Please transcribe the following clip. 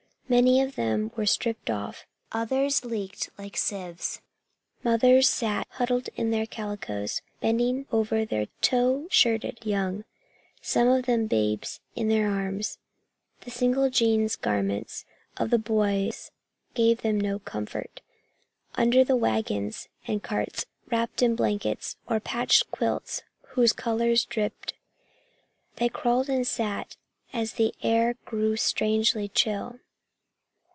Many of them were stripped off, others leaked like sieves. Mothers sat huddled in their calicoes, bending over their tow shirted young, some of them babes in arms. The single jeans garments of the boys gave them no comfort. Under the wagons and carts, wrapped in blankets or patched quilts whose colors dripped, they crawled and sat as the air grew strangely chill.